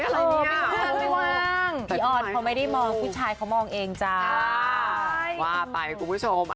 แล้วก็ผู้ชายเขาสะกดชีวิตหนู